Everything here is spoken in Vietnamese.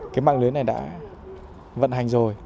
cái mạng lưới này đã vận hành rồi